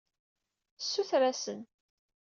Ssuter-asen.